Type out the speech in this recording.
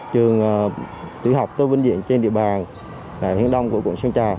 trường tự học tối vinh diện trên địa bàn hiện đông của quận sơn trà